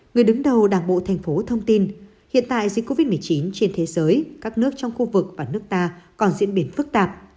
người đứng đầu đảng bộ thành phố thông tin hiện tại dịch covid một mươi chín trên thế giới các nước trong khu vực và nước ta còn diễn biến phức tạp